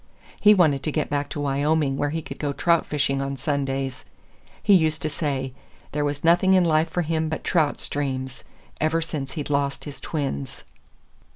He wanted to get back to Wyoming where he could go trout fishing on Sundays. He used to say "there was nothing in life for him but trout streams, ever since he'd lost his twins."